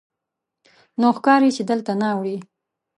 نو ښکاري چې دلته نه اړوې.